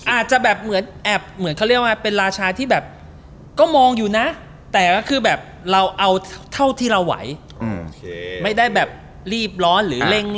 อาจจะแบบเหมือนแอบเหมือนเขาเรียกว่าเป็นราชาที่แบบก็มองอยู่นะแต่ก็คือแบบเราเอาเท่าที่เราไหวไม่ได้แบบรีบร้อนหรือเร่ง